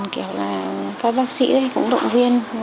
kiểu là phát bác sĩ cũng động viên